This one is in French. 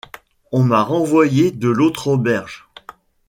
On m’a renvoyé de l’autre auberge.